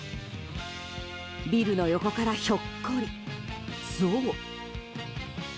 ビルの横からひょっこり、ゾウ！